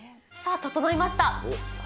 さあ、整いました。